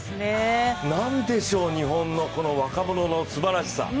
なんでしょう、日本のこの若者のすばらしさ。